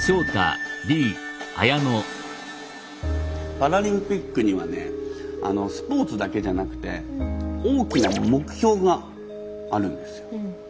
パラリンピックにはねスポーツだけじゃなくて大きな目標があるんです。